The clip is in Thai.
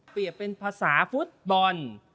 เปรียบเป็นภาษาฟุตบอล